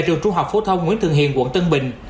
trường trung học phổ thông nguyễn thượng hiền quận tân bình